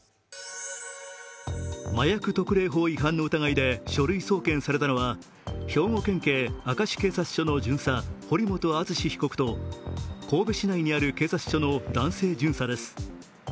麻薬特例法違反の疑いで書類送検されたのは兵庫県警明石警察署の巡査、堀本敦史被告と神戸市内にある警察署の男性巡査です。